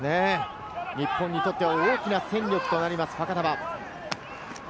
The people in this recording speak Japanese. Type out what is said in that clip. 日本にとっては大きな戦力となります、ファカタヴァ。